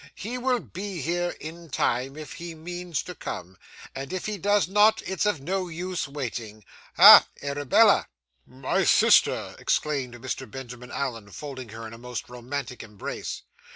He will be here, in time, if he means to come; and if he does not, it's of no use waiting. Ha! Arabella!' 'My sister!' exclaimed Mr. Benjamin Allen, folding her in a most romantic embrace.